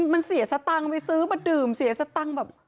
มันเสียสตังค์ไปซื้อมาดื่มเสียสตังค์แบบ